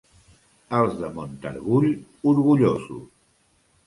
Els de Montargull, orgullosos.